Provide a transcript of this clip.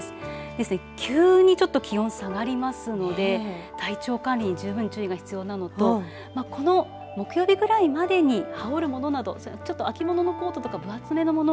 ですので急に気温下がりますので体調管理に十分注意が必要なのとこの木曜日くらいまでに羽織るものなど秋物のコートとか分厚めのもの